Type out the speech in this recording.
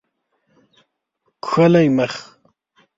کښلی مخ